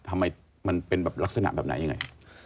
ทำไมมันเป็นลักษณะแบบไหนอย่างไร